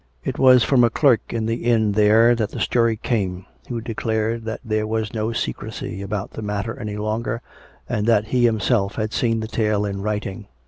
It was from a clerk in the inn there that the story came, who declared that there was no secrecy about the matter any longer, and that he himself had seen the tale in writing.